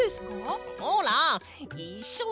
ほらいっしょに！